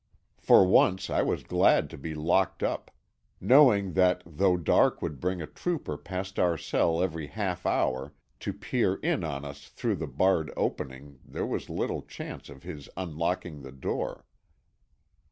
For once I was glad to be locked up; knowing that though dark would bring a trooper past our cell every half hour, to peer in on us through the barred opening, there was little chance of his unlocking the door.